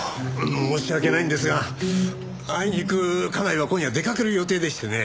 申し訳ないんですがあいにく家内は今夜出かける予定でしてね。